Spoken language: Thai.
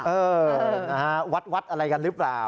เออนะฮะวัดอะไรกันหรือเปล่า